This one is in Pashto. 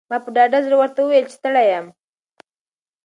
ما په ډاډه زړه ورته وویل چې ستړی یم.